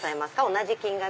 同じ金額。